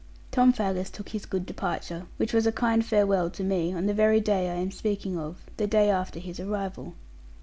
Tom Faggus took his good departure, which was a kind farewell to me, on the very day I am speaking of, the day after his arrival.